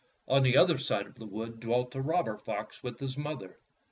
On the other side of the wood dwelt a robber fox with his mother.